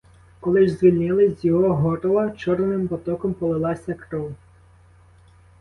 Коли ж звільнили, з його горла чорним потоком полилася кров.